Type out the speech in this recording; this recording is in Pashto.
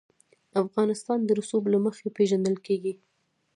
افغانستان د رسوب له مخې پېژندل کېږي.